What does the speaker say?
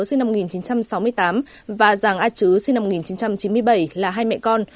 sinh năm một nghìn chín trăm sáu mươi tám và giàng a chứ sinh năm một nghìn chín trăm chín mươi bảy là hai mẹ con